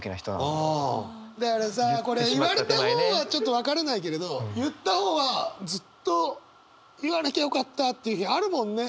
だからさこれ言われた方はちょっと分からないけれど言った方はずっと言わなきゃよかったって日あるもんね！